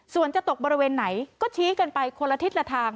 ส่วนจะตกบริเวณไหนก็ชี้กันไปคนละทิศละทาง